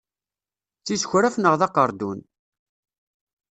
D tisukraf naɣ d aqerdun.